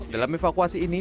dalam evakuasi ini